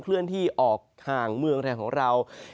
เลื่อนที่ออกห่างเมืองไทยของเรา